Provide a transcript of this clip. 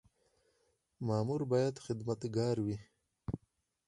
مامور باید خدمتګار وي